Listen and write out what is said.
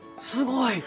すごい。